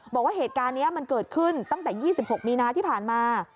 บอกว่าเหตุการณ์นี้มันเกิดขึ้นตั้งแต่๒๖มีนาที่ผ่านมา